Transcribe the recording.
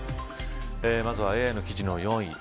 まずはＡＩの記事の４位。